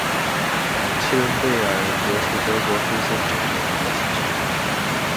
齐伦贝尔格是德国黑森州的一个市镇。